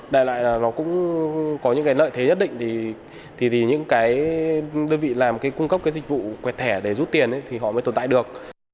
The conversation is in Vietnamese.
đại lại là nó cũng có những cái lợi thế nhất định thì những cái đơn vị làm cái cung cấp cái dịch vụ quẹt thẻ để rút tiền thì họ mới tồn tại được